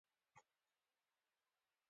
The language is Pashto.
د بوی د حس د ورکیدو لپاره باید څه وکړم؟